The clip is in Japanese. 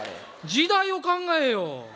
時代を考えよ。